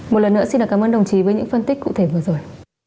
một lần nữa xin cảm ơn đồng chí với những phân tích cụ thể vừa rồi